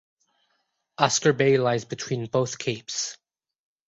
Oscar Bay lies between both capes.